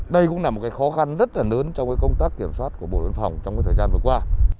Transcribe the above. đây cũng là một cái khó khăn rất là lớn trong công tác kiểm soát của bộ đơn phòng trong thời gian vừa qua